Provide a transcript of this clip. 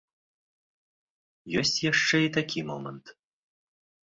Ёсць яшчэ і такі момант.